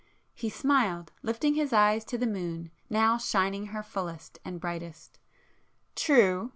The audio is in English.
He smiled, lifting his eyes to the moon, now shining her fullest and brightest. "True!"